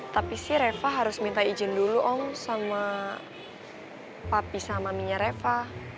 tapi sih rafa harus minta izin dulu om sama papi sama mnya rafa